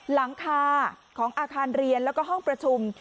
หลังคาของอาคารเรียนแล้วก็ห้องประชุม